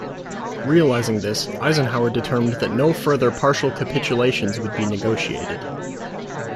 Realising this, Eisenhower determined that no further partial capitulations would be negotiated.